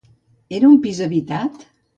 Era un pis habitat?